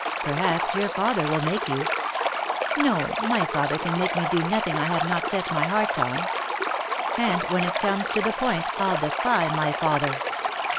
"Perhaps your father will make you." "No, my father can make me do nothing I have not set my heart on. And when it comes to the point, I'll defy my father."